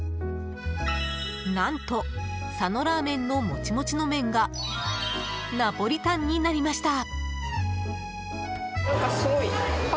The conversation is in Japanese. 何と、佐野ラーメンのもちもちの麺がナポリタンになりました。